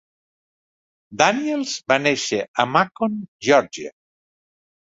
Daniels va néixer a Macon, Geòrgia.